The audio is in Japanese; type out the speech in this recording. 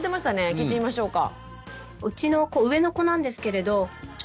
聞いてみましょうか。